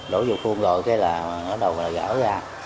đổ vô khuôn rồi rồi nó gỡ ra